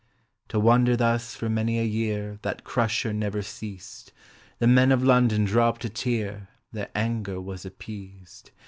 To wander thus for many a year That Crusher never ceased The Men of London dropped a tear, Their anger was appeased.